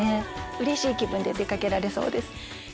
うれしい気分で出かけられそうです。